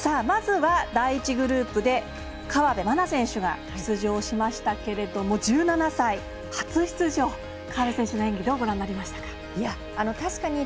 まずは、第１グループで河辺愛菜選手が出場しましたけれども１７歳初出場、河辺選手の演技どうご覧になりましたか？